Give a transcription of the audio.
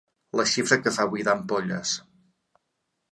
La xifra que fa buidar ampolles.